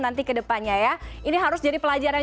nanti ke depannya ya ini harus jadi pelajaran